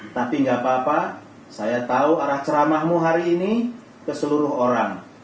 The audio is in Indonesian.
tapi gak apa apa saya tahu arah ceramahmu hari ini ke seluruh orang